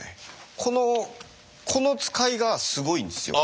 このこの使いがすごいんですよ。